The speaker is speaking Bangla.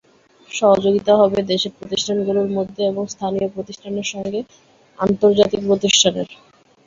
সহযোগিতা হবে দেশের প্রতিষ্ঠানগুলোর মধ্যে এবং স্থানীয় প্রতিষ্ঠানের সঙ্গে আন্তর্জাতিক প্রতিষ্ঠানের।